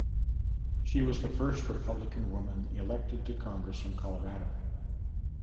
She was the first Republican woman elected to Congress from Colorado.